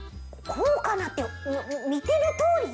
「こうかな」ってみてのとおりよ。